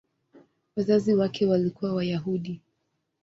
Wazazi wake walikuwa Wayahudi.